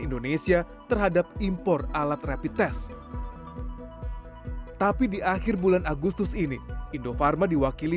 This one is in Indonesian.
indonesia terhadap impor alat rapid test tapi di akhir bulan agustus ini indofarma diwakili